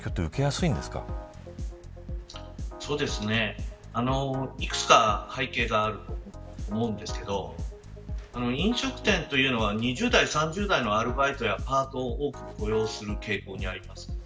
そうですね、いくつか背景があると思うんですけど飲食店というのは２０代３０代のアルバイトやパートを多く雇用する傾向にあります。